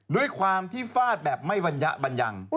ด้วยความที่ฟาดแบบไม่บรรยะบัญญัง